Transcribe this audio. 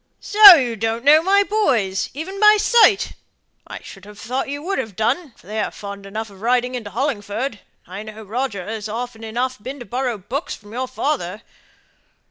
"So you don't know my boys, even by sight. I should have thought you would have done, for they're fond enough of riding into Hollingford; and I know Roger has often enough been to borrow books from your father.